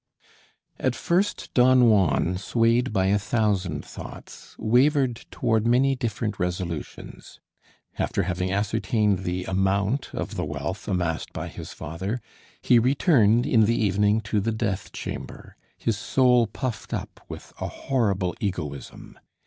At first Don Juan, swayed by a thousand thoughts, wavered toward many different resolutions. After having ascertained the amount of the wealth amassed by his father, he returned in the evening to the death chamber, his soul puffed up with a horrible egoism.